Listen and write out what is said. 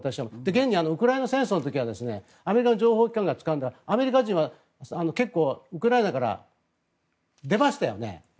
現にウクライナ戦争の時はアメリカの情報機関がつかんだアメリカ人は結構ウクライナから出ましたよね。